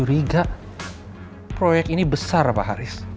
riga proyek ini besar pak haris